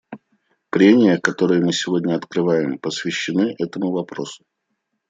Прения, которые мы сегодня открываем, посвящены этому вопросу.